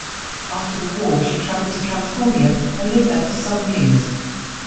After the War, she travelled to California and lived there for some years.